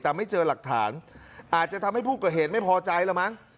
แต่ไม่เจอหลักฐานอาจจะทำให้ผู้ก่อเหตุไม่พอใจแล้วมั้ง